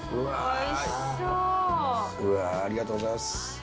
うわー、ありがとうございます。